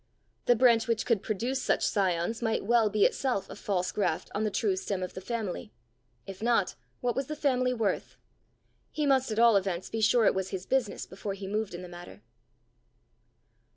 The branch which could produce such scions, might well be itself a false graft on the true stem of the family! if not, what was the family worth? He must at all events be sure it was his business before he moved in the matter!